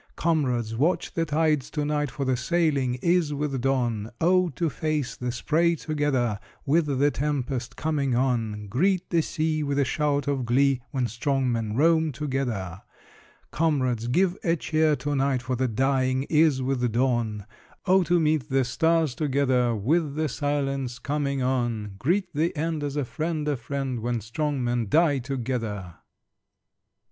Comrades, watch the tides to night, For the sailing is with dawn! Oh, to face the spray together, With the tempest coming on! Greet the sea With a shout of glee, When strong men roam together! Comrades, give a cheer to night, For the dying is with dawn! Oh, to meet the stars together, With the silence coming on! Greet the end As a friend a friend, When strong men die together!